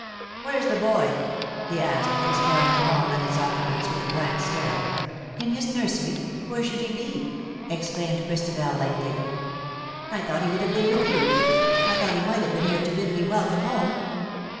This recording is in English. " Whereas the boy ?" he asked, exploring the hall and its occupants, with a blank stare. ]04 ^^I WILL HAVE NO MERCY ON HIM/* "In his nursery. Where should he be?''' ex claimed Christabel, lightly. "I thought he would have been with you. I thought he might have been here to bid me welcome home."